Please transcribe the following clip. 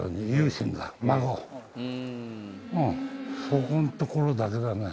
そこんところだけだね。